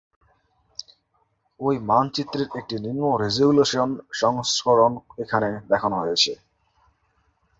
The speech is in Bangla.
ঐ মানচিত্রের একটি নিম্ন রেজোলিউশন সংস্করণ এখানে দেখানো হয়েছে।